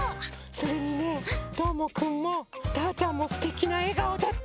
それにねどーもくんもたーちゃんもすてきなえがおだった。